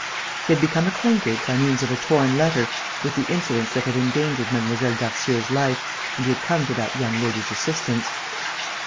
He had become acquainted, by means of a torn letter, with the incidents that had endangered Mlle. Darcieux's life; and he had come to that young lady's assistance.